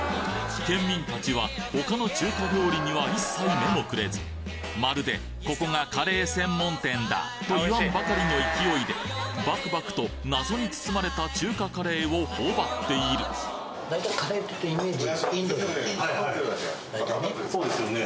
県民たちは他の中華料理には一切目もくれずまるでここがカレー専門店だと言わんばかりの勢いでバクバクと謎に包まれた中華カレーを頬張っているはいはいそうですよね。